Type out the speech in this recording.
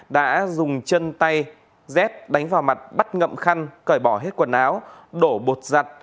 đã dùng chân tay dép đánh vào mặt bắt ngậm khăn cởi bỏ hết quần áo đổ bột giặt